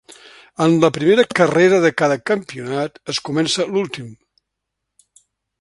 En la primera carrera de cada campionat es comença l'últim.